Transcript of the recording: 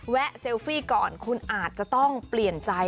เซลฟี่ก่อนคุณอาจจะต้องเปลี่ยนใจ